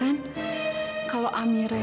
aku mau berjalan